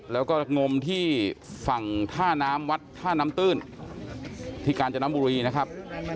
แล้วก็งมที่ฝั่งท่าน้ำวัดท่าน้ำตื้นที่กาญจนบุรีนะครับ